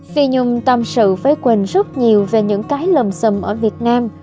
phi nhung tâm sự với quỳnh rất nhiều về những cái lầm xâm ở việt nam